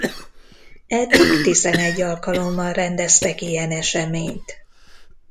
Eddig tizenegy alkalommal rendeztek ilyen eseményt.